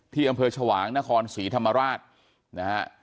ที่อำเภอฉวางห้านครศรีธรรมาราช